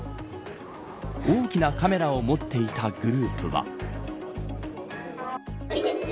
大きなカメラを持っていたグループは。